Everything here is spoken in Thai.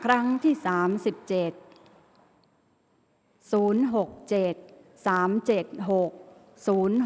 ข่าวแถวรับทีวีรายงาน